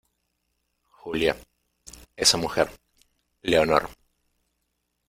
Julia, esa mujer , Leonor ,